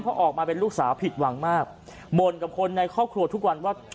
เพราะออกมาเป็นลูกสาวผิดหวังมากบ่นกับคนในครอบครัวทุกวันว่า